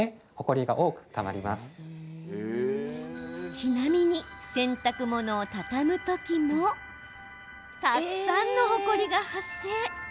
ちなみに、洗濯物を畳む時もたくさんのほこりが発生。